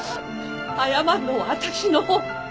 謝るのは私の方。